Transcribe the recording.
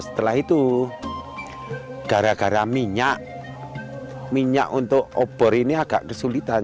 setelah itu gara gara minyak untuk obor ini agak kesulitan